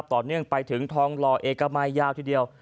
ต่อเนื่องไปถึงทองหล่อเอกมัยยาวทีเดียว